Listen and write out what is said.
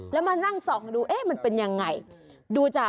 แล้วมานั่งซองดู